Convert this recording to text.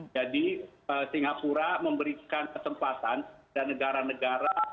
jadi singapura memberikan kesempatan dan negara negara